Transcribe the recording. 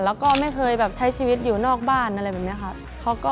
แล้วก็ไม่เคยแบบใช้ชีวิตอยู่นอกบ้านอะไรแบบนี้ค่ะ